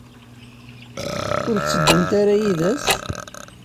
Ur tteddunt ara yid-s?